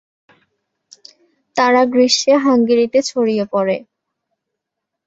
তারা গ্রীষ্মে হাঙ্গেরিতে ছড়িয়ে পড়ে।